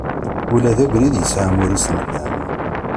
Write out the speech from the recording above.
Ula d abrid, yesɛa amur-is n lefhama.